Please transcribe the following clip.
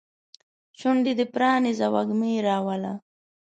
شونډې دې پرانیزه وږمې راوله